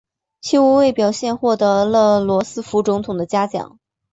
其无畏表现获得了罗斯福总统的嘉奖。